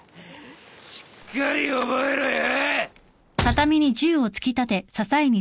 しっかり覚えろよ。